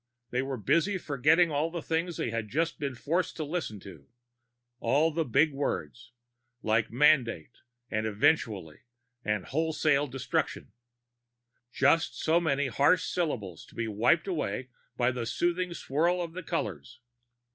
They were busy forgetting all the things they had just been forced to listen to. All the big words, like mandate and eventually and wholesale destruction. Just so many harsh syllables to be wiped away by the soothing swirl of the colors.